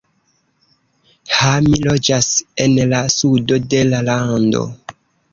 Ha, mi loĝas en la sudo de la lando.